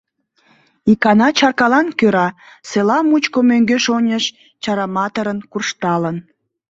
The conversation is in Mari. Икана чаркалан кӧра села мучко мӧҥгеш-оньыш чараматырын куржталын.